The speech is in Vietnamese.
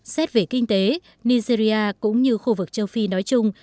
xét về kinh tế nigeria cũng như khu vực châu phi nói chung